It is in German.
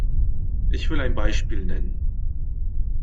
Ich will ein Beispiel nennen.